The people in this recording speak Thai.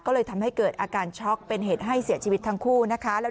ก็เลยทำให้เกิดอาการช็อกเป็นเหตุให้เสียชีวิตทั้งคู่นะคะ